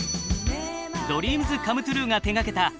ドリームズ・カム・トゥルーが手がけた主題歌